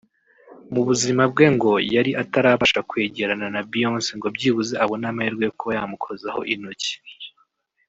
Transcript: Mu buzima bwe ngo yari atarabasha kwegerana na Beyonce ngo byibuze abone amahirwe yo kuba yamukozaho intoki